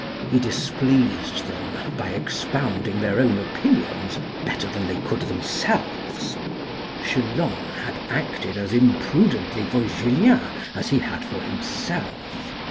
He dis pleased them by expounding their own opinions better than they could themselves. Chelan had acted as imprudently for Julien as he had for himself.